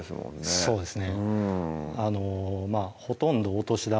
そうですね